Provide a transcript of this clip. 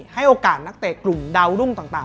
ให้โอกาสนักเตะกลุ่มดาวรุ่งต่าง